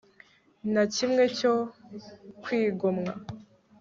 na kimwe cyo kwigomwa